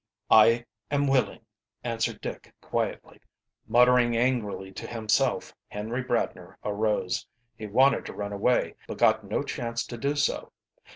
"I am willing," answered Dick quietly. Muttering angrily to himself, Henry Bradner arose. He wanted to run away, but got no chance to do so.